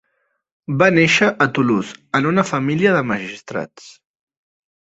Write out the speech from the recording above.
Va néixer a Toulouse en una família de magistrats.